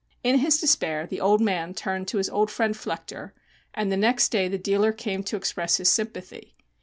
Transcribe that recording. In his despair the old man turned to his old friend Flechter, and the next day the dealer came to express his sympathy.